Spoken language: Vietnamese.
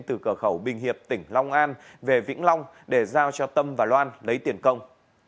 từ cửa khẩu bình hiệp tỉnh long an về vĩnh long để giao cho tâm và loan lấy tiền công